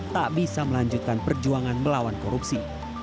tak bisa melanjutkan perjuangan melawan korupsi